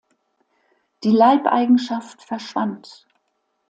Die Leibeigenschaft verschwand.